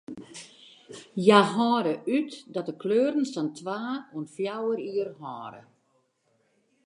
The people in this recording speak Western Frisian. Hja hâlde út dat de kleuren sa'n twa oant fjouwer jier hâlde.